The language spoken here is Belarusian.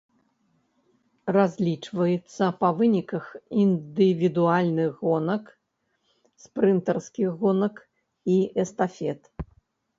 Разлічваецца па выніках індывідуальных гонак, спрынтарскіх гонак і эстафет.